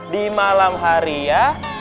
di malam hari ya